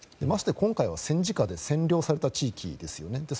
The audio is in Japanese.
まして、今回は戦時下で占領された地域ですね。